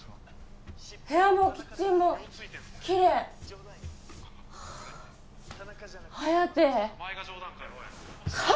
部屋もキッチンもきれいはあ颯神！？